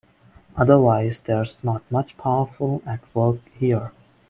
Otherwise there's not much powerful at work here.